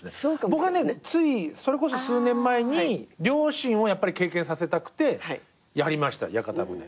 僕はねそれこそ数年前に両親を経験させたくてやりました屋形船。